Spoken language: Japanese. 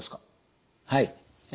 はい。